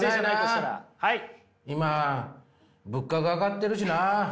今物価が上がってるしな。